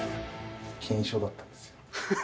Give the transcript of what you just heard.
検証だったんですよ。